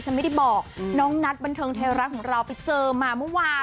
ไม่ได้บอกน้องนัทบันเทิงไทยรัฐของเราไปเจอมาเมื่อวาน